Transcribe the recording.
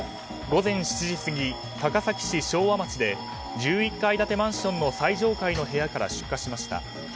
午前７時過ぎ、高崎市昭和町で１１階建てマンションの最上階の部屋から出火しました。